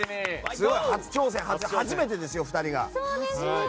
初めてですよ、２人が。